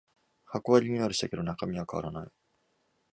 箱はリニューアルしたけど中身は変わらない